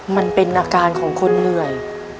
มันเป็นอาการของคนเหนื่อย